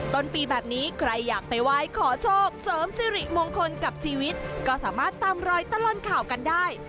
ต้นปีแบบนี้ใครอยากไปไหว้ขอโชคเสริมสิริมงคลกับชีวิตก็สามารถตามรอยตลอดข่าวกันได้